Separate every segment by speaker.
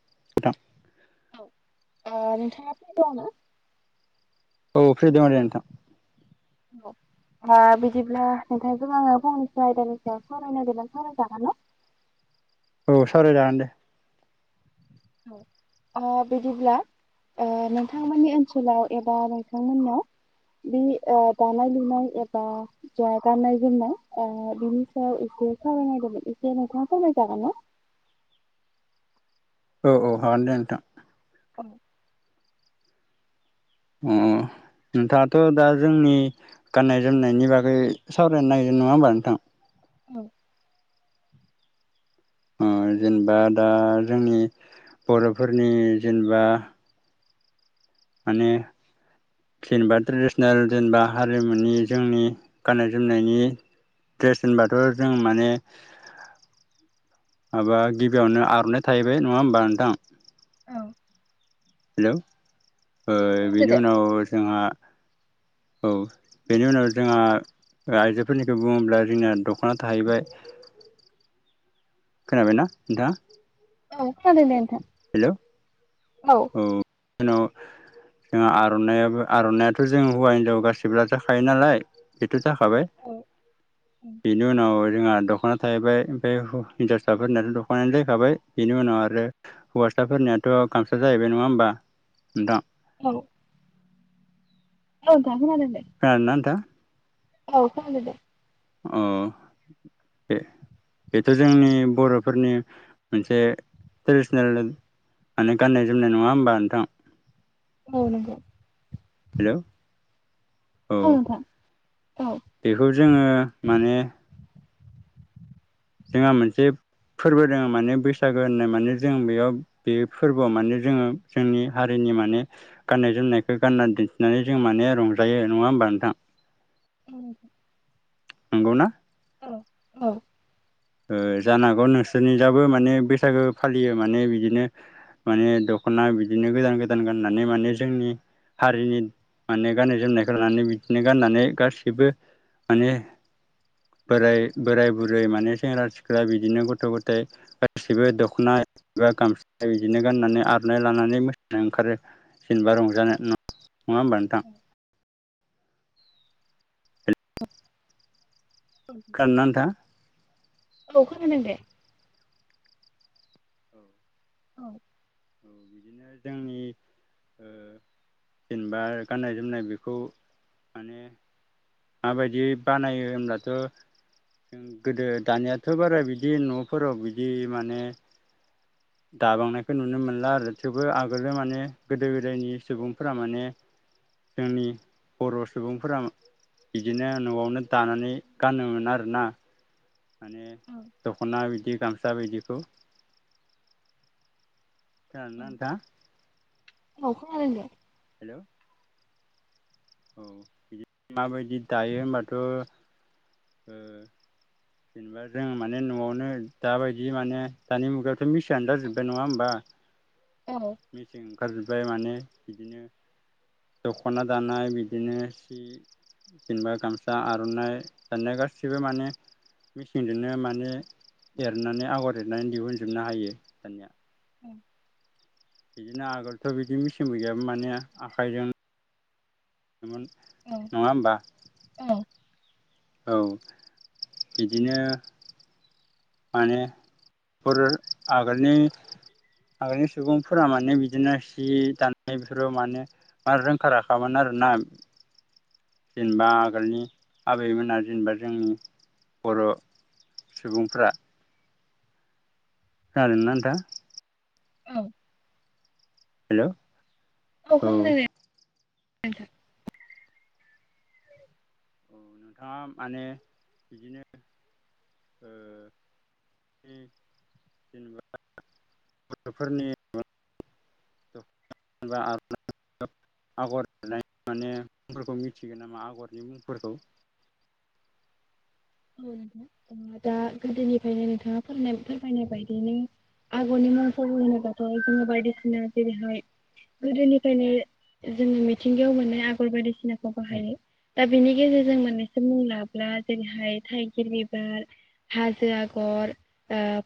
Speaker 1: [unintelligible]
Speaker 2: औ नोंथाङा फ्रि दं ना?
Speaker 1: औ फ्रि दङ' दे नोंथां।
Speaker 2: [unintelligible] होमबा बिदिब्ला नोंथांजों आङो फंनैसो आयदानि सायाव सावरायनो नागिरदों सावरायजागोन ना?
Speaker 1: औ सावराय जागोन दे ।
Speaker 2: औ अ बिदिब्ला ओ नोंथांमोननि ओनसोलाव एबा नोंथांमोनाव बे ओ दानाय लुनाय एबा जा गाननाय जोमनाय आ बिनि सायाव बे सावरायनाय जागोन एसे नोंथाङा सावराय जागोन ना?
Speaker 1: [inaudible] औ औ हागोन दे नोंथां ।
Speaker 2: [unintelligible]
Speaker 1: उम नोंथाङाथ' दा जोंनि गाननाय जोमनायनि बागै सावरायनो नागिरदों नङा होमबा नोंथां?
Speaker 2: औ
Speaker 1: जेनेबा दा जोंनि बर'फोरनि जेनेबा माने जेनेबा ट्रेडिसनेल जेनेबा हारिमुनि जोंनि गाननाय जोमनायनि द्रेस होनबाथ' जों माने माबा गिबियावनो आर'नाइ थाहैबाय नङा होमबा नोंथां
Speaker 2: औ
Speaker 1: हेलौ
Speaker 2: औ खोनादो
Speaker 1: बेनि
Speaker 2: दे।
Speaker 1: उनाव जोंहा औ बेनि उनाव जोंहा आइजोफोरनिखौ बुङोब्ला जोंना दख'ना थाहैबाय खोनाबायना नोंथाङा
Speaker 2: औ खोनादों दे नोंथां
Speaker 1: हेल' औ जोंहा आर'नायाबो आर'नायाथ' जों हौवा हिनजाव गासैबो लाजाखायो नालाय जाखाबाय
Speaker 2: औ
Speaker 1: बेनि उनाव जोंहा दख'ना थाहैबाय ओमफ्राय हिनजावसा फोरनालाय दख'नायानो जाहैखाबाय बेनि उनाव आरो हौवासाफोरनियाथ' गामसा जाहैबाय नङा होमबा नोंथां।
Speaker 2: औ औ दा खोनादों दे
Speaker 1: खोनादों ना नोंथां
Speaker 2: औ खोनादो दे
Speaker 1: अ ए बेथ' जोंनि बर'फोरनि मोनसे ट्रेडिसनेल माने गाननाय जोमनाय नङा होमबा नोंथां ।
Speaker 2: औ नांगौ ।
Speaker 1: हेल' औ
Speaker 2: नोंथां औ।
Speaker 1: बेखौ जोङो माने जोंहा मोनसे फोरबो दङो माने बैसागो होननाय माने जों बेयाव बे फोरबोआव माने जोङो जोंनि हारिनि जोंनि माने गाननाय जोमनायखौ गाननानै दिन्थिनानै जों माने रंजायो नङा होमबा नोंथां।
Speaker 2: औ
Speaker 1: नंगौना
Speaker 2: औ
Speaker 1: जानो हागौ नोंसोरनिजाबो माने बैसागो फालियो माने बिदिनो माने दख'ना बिदिनो गोदान गोदान गाननानै माने जोंनि हारिनि माने गाननाय जोमनायखौ लानानै बिदिनो गाननानै गासिबो माने बोराय बोराय बुरै माने सेंग्रा सिख्ला बिदिनो गथ' गथाय गासिबो दख'ना एबा गामसा बिदिनो गाननानै आर'- नाय लानानै मोसानो ओंखारो जेनेबा रंजानो नङा होमबा नोंथां।
Speaker 2: औ
Speaker 1: खोनादों ना नोंथा?
Speaker 2: औ खोनादों दे।
Speaker 1: औ
Speaker 2: औ
Speaker 1: औ जोंनि जेनेबा गाननाय जोमनाय बेखौ माने माबायदि बानायो होमब्लाथ' जों गोदो दानियाथ' बारा बिदि न'फोराव बिदि माने दाबांनायखौ नुनो मोनला आरो। थेवबो आगोलो माने गोदो गोदायनि सुबुंफोरा माने जोंनि बर' सुबुंफोरा बिदिनो न'आवनो दानानै गानोमोन आरोना माने दख'ना बिदि गामसा बिदिखौ खोनादों ना नोंथां?
Speaker 2: औ खोनदों दे।
Speaker 1: हेल' औ बिदि माबायदि दायो होनबाथ' जेनेबा जों माने न'आवनो दाबायदि माने दानि मुगायाव मेसिनआनो जाजोब्बाय नङा होनबा
Speaker 2: औ-औ-औ-औ
Speaker 1: मेचिं ओंखारजोबबाय बाय माने बिदिनो दख'ना दानाय बिदिनो जेनबा गामसा आर'नाइ दानिया गासिबो माने मेचिंजोंनो माने एरनानै आगर एरनानै दिहुनजोबनो हायो दानिया
Speaker 2: औ
Speaker 1: बिदिनो आगोलथ' बिदि मेचिनबो गैयामोन माने आखाइजों मोन नङा होनबा?
Speaker 2: औ औ
Speaker 1: औ बिदिनो माने बेफोर आगोलनि आगोलनि सुबुंफोरा माने बिदिनो सि दानाय बेफोराव माने रोंखा राखामोन आरो [unintelligible] जेनेबा आगोलनि आबैमोना जेनेबा जोंनि बर' सुबुंफ्रा खोनादोंना नोंथां?
Speaker 2: औ
Speaker 1: हेल'
Speaker 2: औ खोनादों दे।
Speaker 1: नोंथाङा माने बिदिनो [unintelligible] गथ'फोरनि [unintelligible] आगर होननाय माने मुंफोरखौ मिथिगोन नामा आगरनि मुंफोरखौ। [inaudible]
Speaker 2: औ नोंथां दा गोदोनिफ्रायनो नोंथाङा फोरमाय फोरमायनाय बायदिनो आगरनि मुंफोर होनोब्लाथाय जोङो बायदिसिना जेरैहाय गोदोनिफ्रायनो जोङो मिथिंगायाव मोननाय आगर बायदिसिनाखौ बाहायो। दा बेनि गेजेरजों मोननैसो मुं लाब्ला जेरैहाय थाइगिर बिबार, हाजो आगर,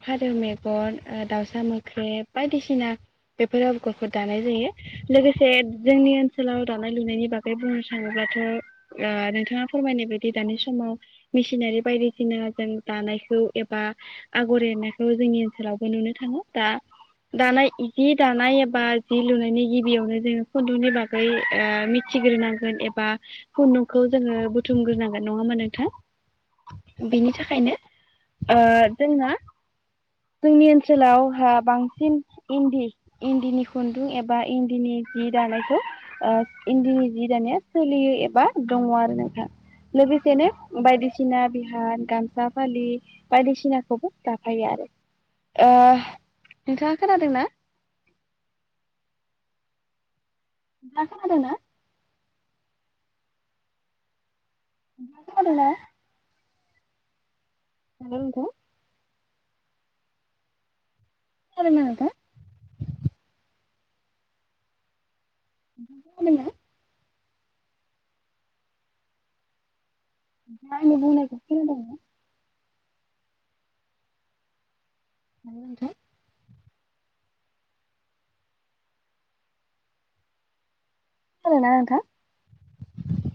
Speaker 2: फारौ मेगन, दाउसा मो ख्रेब बायदिसिना बेफोर आगरफोरखौ दानाय जायो लोगोसे जोंनि ओनसोलाव दानाय लुनायनि बागै बुंनो थाङोब्ला दाथ' नोंथाङा फोरमायनाय बायदि दानि समाव मेसिनारि बायदिसिना जों दानायखौ एबा आगर एरनायखौ जोंनि ओनसोलावबो नुनो था ङो दा दानाय जि दानाय एबा जि लुनायनि गिबियावनो जोङो खुन्दुंनि बागै मिथि ग्रोनांगोन एबा खुन्दुंखौ जोङो बेनि थाखायनो ओ जोंना जोंनि ओनसोलावहा बांसिन इन्दि इन्दिनि खुन्दुं एबा इन्दिनि जि दानायखौ ओ इन्दिनि जि दानाया सोलियो एबा दङ आरो नोंथां लोगोसेनो बायदि सिना बिहान गामसा फालि बायदिसिनाखौबो दाफायो आरो ओ नोंथाङा खोनादोंना?
Speaker 1: [inaudible]
Speaker 2: नोंथाङा खोनादोंना? खोनादों ना? [inaudible] खोनादों ना नोंथाङा? खोनादों ना? आंनि बुंनायखौ खोनादों ना? [inaudible] खोनादों ना नोंथां?